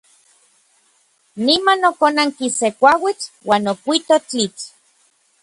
Niman okonanki se kuauitl uan okuito tlitl.